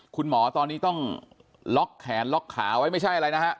คุณหมอตอนนี้ต้องล็อกแขนล็อกขาไว้ไม่ใช่อะไรนะฮะ